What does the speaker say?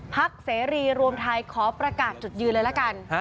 เสรีรวมไทยขอประกาศจุดยืนเลยละกัน